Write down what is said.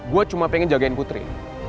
gue cuma pengen jagain putri